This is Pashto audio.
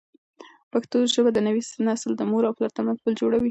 پښتو ژبه د نوي نسل د مور او پلار ترمنځ پل جوړوي.